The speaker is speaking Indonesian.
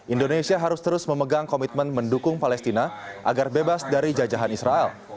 indonesia harus terus memegang komitmen mendukung palestina agar bebas dari jajahan israel